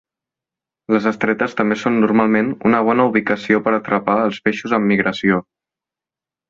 Les estretes també són normalment una bona ubicació per atrapar els peixos en migració.